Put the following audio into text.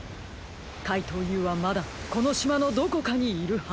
かいとうＵはまだこのしまのどこかにいるはずです。